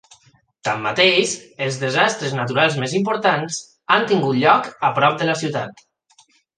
Tanmateix, els desastres naturals més importants han tingut lloc a prop de la ciutat.